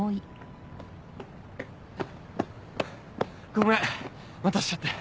ごめん待たせちゃって。